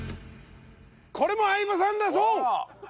これも相葉さんだそう！